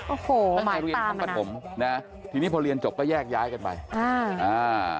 โอ้โหหมายตามนะที่นี่พอเรียนจบก็แยกย้ายกันไปอ่า